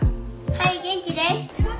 はい元気です。